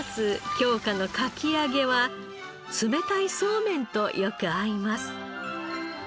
京香のかき揚げは冷たいそうめんとよく合います。